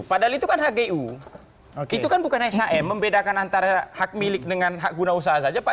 padahal itu kan hgu itu kan bukan shm membedakan antara hak milik dengan hak guna usaha saja pak